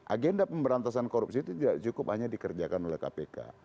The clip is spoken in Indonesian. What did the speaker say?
agenda pemberantasan korupsi itu tidak cukup hanya dikerjakan oleh kpk